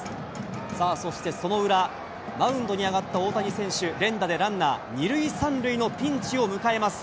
さあ、そしてその裏、マウンドに上がった大谷選手、連打でランナー２塁３塁のピンチを迎えます。